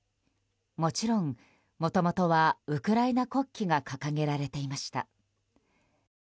もちろん、もともとはウクライナ国旗が掲げられていました。